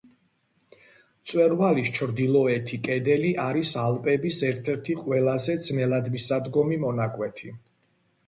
მწვერვალის ჩრდილოეთი კედელი არის ალპების ერთ-ერთი ყველაზე ძნელადმისადგომი მონაკვეთი.